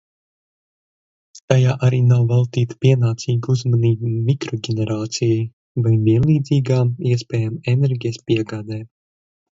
Tajā arī nav veltīta pienācīga uzmanība mikroģenerācijai vai vienlīdzīgām iespējām enerģijas piegādē.